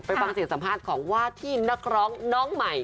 ฟังเสียงสัมภาษณ์ของว่าที่นักร้องน้องใหม่